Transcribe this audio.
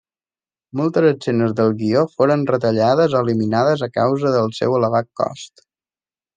Moltes escenes del guió foren retallades o eliminades a causa del seu elevat cost.